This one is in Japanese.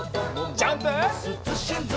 ジャンプ！